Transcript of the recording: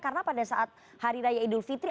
karena pada saat hari raya idul fitri